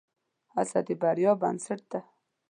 هڅه د بریا بنسټ دی.